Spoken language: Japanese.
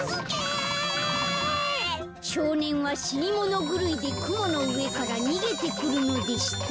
「しょうねんはしにものぐるいでくものうえからにげてくるのでした」。